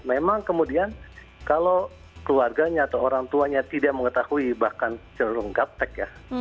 memang kemudian kalau keluarganya atau orang tuanya tidak mengetahui bahkan cenderung gaptek ya